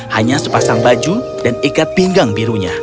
hanya sepasang baju dan ikat pinggang birunya